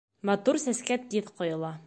Матур сәскә тиҙ ҡойола.